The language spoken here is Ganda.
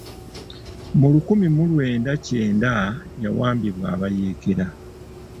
Mu lukumi mu lwenda kyenda, yawambibwa abayeekera.